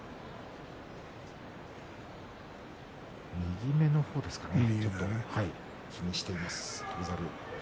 右目の方ですかね